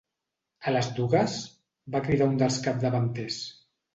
A les dugues? —va cridar un dels capdavanters.